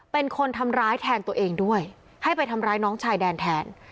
เป็นคนทำร้ายแทนตัวเองด้วยให้ไปทำร้ายน้องชายแดนแทน